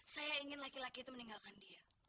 saya ingin laki laki itu meninggalkan dia